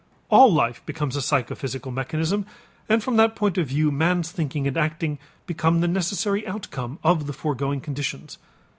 All life becomes a psychophysical mechanism and from that point of view man's thinking and acting become the necessary outcome of the foregoing conditions.